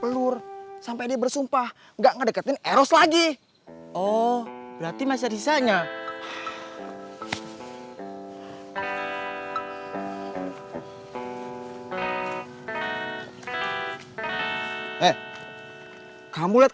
pelur sampai dia bersumpah enggak ngedeketin eros lagi oh berarti masa disanya kamu lihat